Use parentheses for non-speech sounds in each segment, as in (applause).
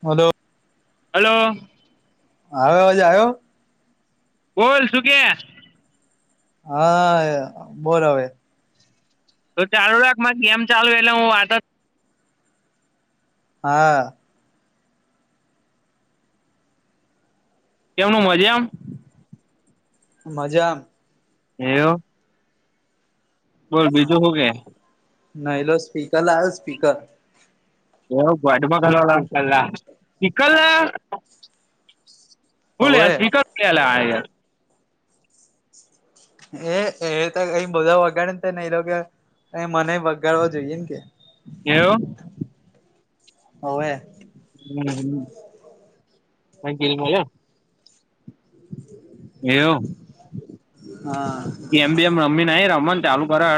બોલો હલો. આવ્યો આજે આવ્યો. બોલ શું કે. હા બોલ હવે તો ચાલુ રાખ મક ગેમ ચાલુ એટલે હું વાત જ હા કેમનું મજા એમ. મજામ. એવુ. બોલ બીજું શું કે. નાલો સ્પીકર લાવ્યો સ્પીકર (unintelligible) હુ હવે લાયો સ્પીકર એ એ તો અ બધા વગાડે ને ત નઈ લો કે એ મને વગાડવા જોઈએ ને કે એવું. ઓવે. હમ્મ હમ્મ બાકી કે મજા એવું. હા જે એમ બી એમ રમી નઈ રમન ચાલુ કરો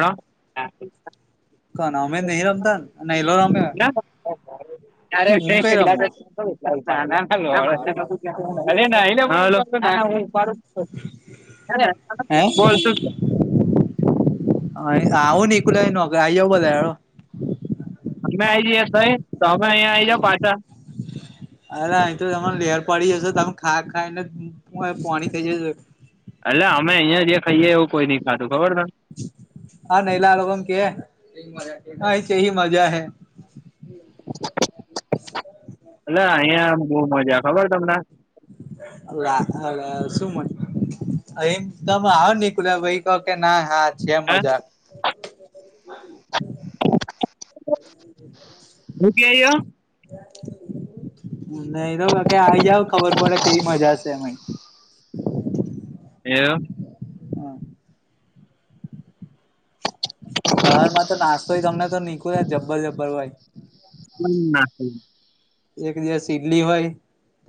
કોણ અમે નહી રમતા ને નહી લો રમે એ (inaudible) હું કઈ રમું (unintelligible) (unintelligible) (unintelligible) (unintelligible) અમે આઈ જએ થઈ તો અમે અહીયાં આઈ જાઓ પાછા અરે અહી તો તને લેર પડી જશે તમે ખા ખાઈને પાણી થઈ જશે એટલે અમે અહિયાં જે ખાઈએ એવું કોઈ નઈ ખાધું હા નૈલા લોકો ને કે અહીં કેવી મજા હૈ એટકે આયા બો મજા ખબર તમને (inaudible) શું મને એમ તમે આવ નનીકુ ભાઈ કહ કે ના હા છે હે મજા હુ કે હ નહી તો ક કે આવી જાવ ખબર પડે કેવી મજાશે એ એવ હા હામાં તો નાસ્તોય તમને તો નીકું જબ્બર જબ્બર હોય (unintelligible) એક દિવસ ઈડલી હોય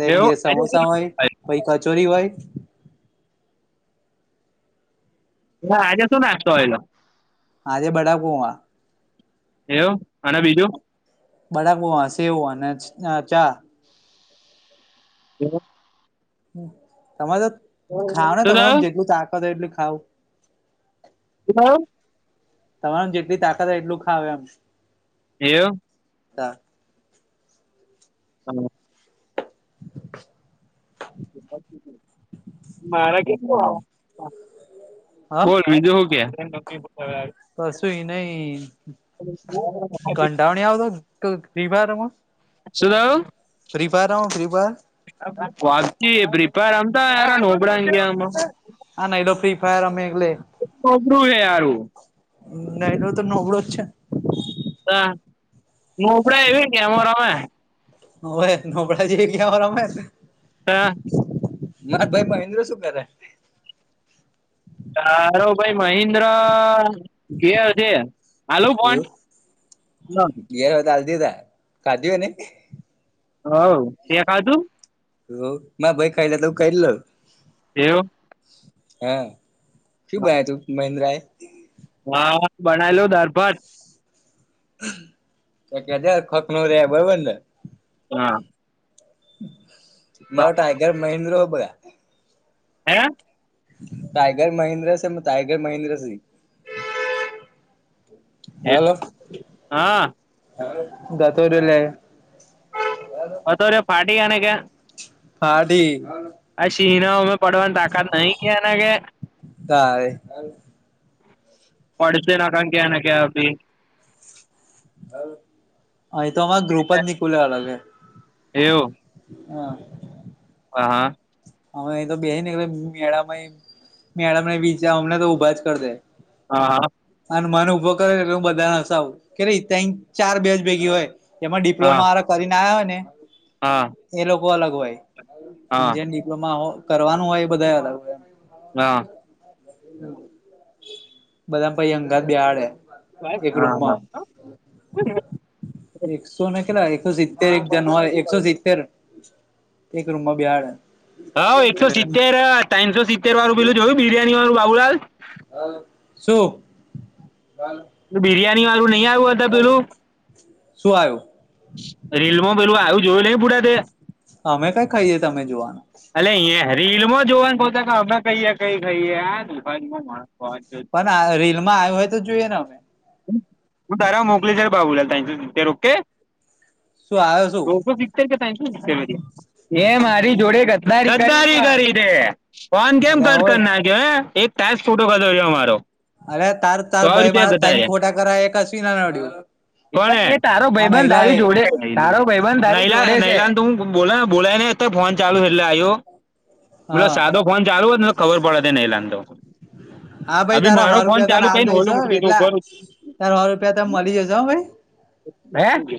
એક એવું દિવસ સમોસા હોય પહ કચોરી હોય હ આજે શો નાસ્તો હોયલા આજે બડા પુહા એવ અને બીજું બડાકું હ સેવુંને ચા (inaudible) તમે તો ખાવ ને શું તમાર થયું જેટલું તાકત હોય એટલું ખાવ હા તમારે જેટલી તાકાત આવે એટલું ખાવે એમ એય (unintelligible) હા (inaudible) મારા કે હ બોલ બીજું હો કે કશું એ નહ કંટાવણી આવતો ક રવા રમાં શું થઈ ફ્રી ફાયર રમો ફ્રી ફાયર વાન કિ ફ્રી ફાયર રમતા નુબડા ઈન્ડિયા નુ હા ના ઈલો ફ્રી ફાયર રમે એટલે (unintelligible) નલો તો નોબળો જ છે ના નુબડા એવી કેમ રમે નુબડા જેવી ગેમ રમે ને હા મારા ભાઈ મહેન્દ્ર શું કરે? તારો ભાઈ મહેન્દ્ર. એવું (unintelligible) કા કઢુંને હ તે ખાધું હ ભાઈ ખાઈ તું ક. એવું હા શું બન તું મહેન્દ્ર એ. હા બનાલો દાળ ભાત તો કેજાર ખોખ ન રે બરોબરને. હા. મારા ટ આગર મહેન્દ્ર હો બગા. હે ટાઈગર મહેન્દ્ર છે એ ટાઈગર મહેન્દ્ર છે. હ હા દાતુર લ. બતો ર પાર્ટી કેને કે્ય હાઢી. આ સિનાઓં પડવાની તાકાત નહી ક એના કે. તારે પડશે નાખ ક્યા ના ક્યાી. હા એ તો અમાં ગ્રુપ જ નીકુલે અલગે. એવું. હા. હ હા. અમે અ તો બેસી નેટલે મેળ મેડ બીચા અમને તો ઊભા જ કરી દે હા હા. હનુમાન ઊભો કરેટલે હું બધાને હસાવું કે ર તક ચાર બે્યાજ ભેગી હોય એમાં હા ડિપ્લોમા વા કરીને આવ્યા હોય ને. હા. એ અલગ હોય હા જેમ ડિપ્લોમા હો કરવાનું હોય એ બધા અલગ હોય. હા બધા પછી અંગત બેડે. એક હા રૂમમાં હા એકસોને કેટલા. એકસો સિત્તેર એક જનવએકસો સિત્તેર એક રૂમમાં બહડ. હ એકસો સિત્તેર ત્રનસો સિત્તેર વાળું પીલું જોયું બિરિયાની વાળું બાબુલાલ. શું બિરિયાની વાળું નહી આવ્યું હતા પેલું. સુું આવો. રીલમાં પેલું આવું જોયું નઈ પભૂડા તે. અમે કઈ ખાઈએ તમે જોવાનું. રીલ માં જોવાનું કહેતા અમે કહીએ કઈ કહીમાં. પણ રીલમાં આવ્યું હોય તો જોઈએ ને અમે. હું તારા મોકલી છે બાબુલા ત ઓકે. શું આવ્યો શું એ મારી જોડે. બચ ગારીે વન ગેમ એટલે હોય કટકે એક. તં જ ફોટો ખાધો રહ્યો અમારો. અરે તાર તાર સો ભાઈ રૂપિયા મારા ટામ ગધાર્યા ખોટા કર કસવી નાડી. એ તારો ભાઈબંધ દારી એ જોડે તારો ભાઈબંધ દ. હું બોલા બોલાયને તો ફોન ચાલુ એટલે આવ્યો. પલ હા સાદો ફોન ચાલુ હોત ખબર પડે તે નહી લતો. હા ભાઈ તારા હોરૂપ તો નાલ દઈસો મૂકી દીધો વેટલા. ઉપર તાર સો રૂપિયા તમે મળી જજો ભાઈ. મે (unintelligible)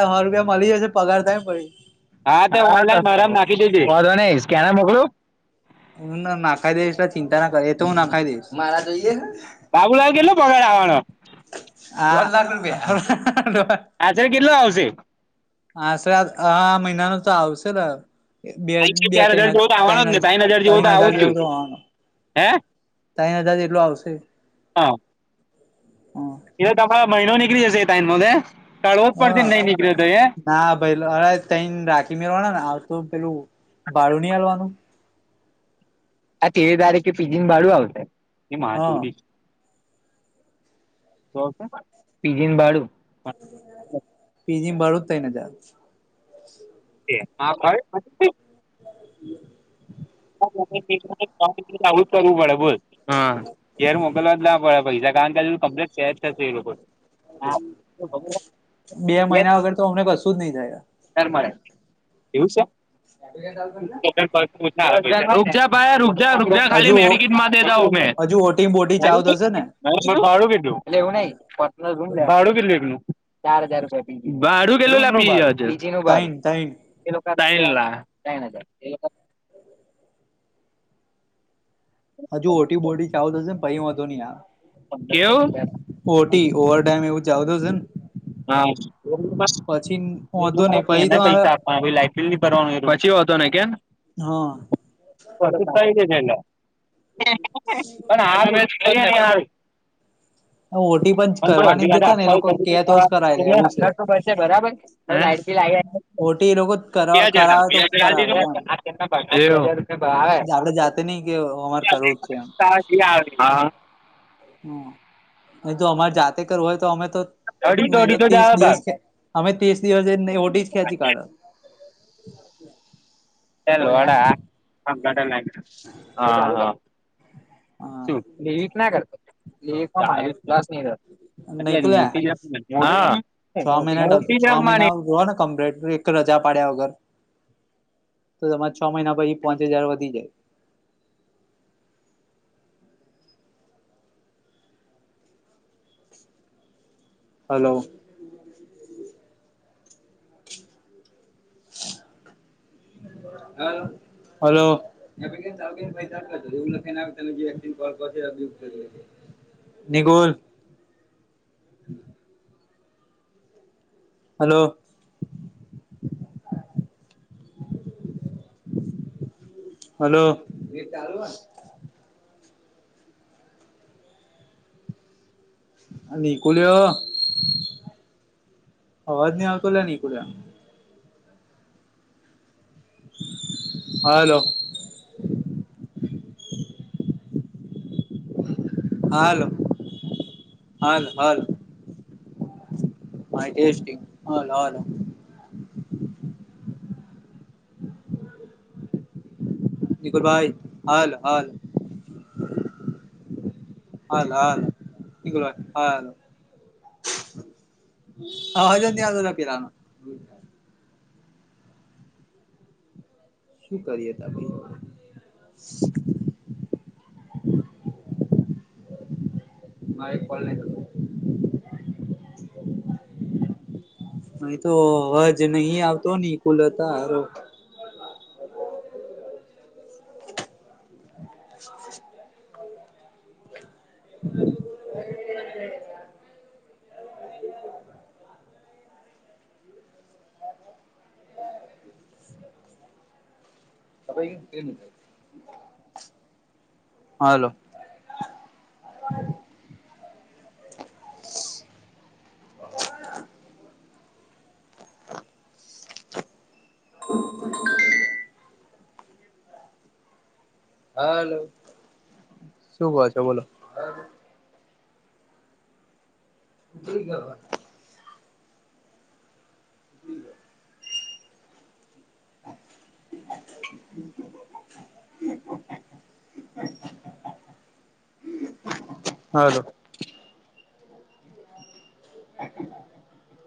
સ રૂપિયા મળી જશે પગાર થાય ને પડી. હા તો ઓ ફ નાખી દેજ ન સ્કેનર મોકલું. હું ના નાખાઈ દઈશ એ ચિંતા ના કર એ તો હું નાખાઈ દઈશ મા જોઈએ બાબુલા ગેલો બગ લાવનોો હ લાખ રૂપિયા આચરે કેટલો આવશે આશરે આ હ મહિના ન તો આવશે બે ત્રણ બે ચાર હજાર જેવો તો આવવાનો જ તના ને ત્રણ જેવો તો તના આવો હજાર જ જો જેવ જોવાવાનો હે તઈ અદાજ એટલું આવશે હા હ એ તો તમારો મહિનો નીકળી જશે ટાઈમ કાઢવો જ પડશે નહી હ નીકળી ના ભાઈ અરે તઈ રાખી મેરવાના ને આવ તો પેલું ભાડું નહી હડવાનું આ તે ધારે કે પીજી ભાડું આવશે હ ચોરી પીજી બાળું પીજીમ બારું જ થાય ને જા (unintelligible) આવું જ કરવું પડે ભુલ ઘેર મોકલવા જ ના પડે પ કારણ કે ક્ (unintelligible) બે મહિના વગર તો અમને કશું જ નહીિ થાય રે એવું છે એ ચાલતો ના રૂક જા પાયા રુકજ રૂકજ ખાલી હજુ મેડિકિટમાં દેતા હું મેં હજુ ઓટી બોટી ચાલુ થશે ને ભાડું કીધું એટલે એવું નહી પટાડું કીધલું એકલું ચાર હજાર રપ ભાડું કેટલુંજીી નું તઈન ભાડું તઈન ક ના એ હજુ ઓટી બોટી ચાલું થશે ને પાઈ હતો નહી યાર કેવું? ઓટી ઓવરડેમ એવું જાવ તો છેને હા. (unintelligible) એ વાંધો નહી પહી એને તો મારે પૈસા આપવા લાઈટ બીલ ભરવાનું પછી વાંધો નઈ કેમ? હા. હ (unintelligible) પણ અડધી કા ઓટી પણ (unintelligible) કરવાની જ દેતા ને એ હ લોકો કે તો જ કરાય એસોબર લે એવું છે બરાબર આ ઓટી એ લોકો લ કરાવે તો (unintelligible) કરાવે લે એમ ક્યાંજ (unintelligible) બ આવે આપડે જાતે નઈ કે અમારે કરવું જ (unintelligible) હ જો અમારે જાતે કરવું હોય તો અમે તો અઢીસો નહી તો અઢીસો જ ત્રીસ આવે દિવસ ભાગ. ખે અમે ત્રીસ દિવસ ઓઢ જ ખેંચી કાઢ. (unintelligible) હા શું લેવીક ના કરતો લે પ્સ નહીતો નનીકલે્યા છ મહિના મોટી છ રમવાની મહિના રો ને કમ્પ્લેટ એક રજા પાડ્યા વગર તો તમારે છ મહિના પછી પાંચ હજાર વધી જાય. (inaudible) હલો. હા. હ એવું લખને નિગુલ. હલો. હલો. નીકુલ્યો. અવાજ નઈ આવતો લા નીકુલ્યા. હા હલો. હાલો હાલ હાલ. માહી ટેસ્ટીંગ હાલો હાલો. નિકુલભાઈ હાલ હાલ હાલ હાાલ હા અવાજ જ નઈ આવતો લા પેલાનો. શું કરીએ ત ભાઈ. (inaudible) હ એક કોલ ન થ અ તોજ નહી આવતો નહી કુલ હતાાર. (inaudible) (inaudible) (inaudible) હાલો. (inaudible) (inaudible) (inaudible) હાલો શું કવા છો બોલો. ઉ ગવા (inaudible) (inaudible) હલો. (inaudible)